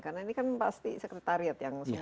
karena ini kan pasti sekretariat yang mencari itu kan